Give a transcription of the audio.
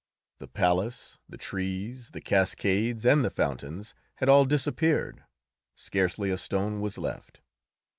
The palace, the trees, the cascades, and the fountains had all disappeared; scarcely a stone was left.